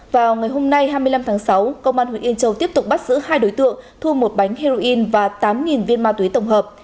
vào ngày hôm nay hai mươi năm tháng sáu công an huyện yên châu tiếp tục bắt giữ hai đối tượng thu một bánh heroin và tám viên ma túy tổng hợp